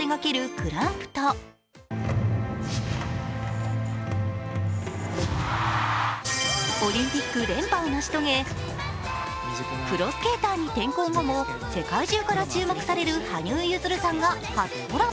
ＣＬＡＭＰとオリンピック連覇を成し遂げ、プロスケーターに転向後も世界中から注目される羽生結弦さんが初コラボ。